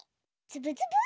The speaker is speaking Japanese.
つぶつぶ。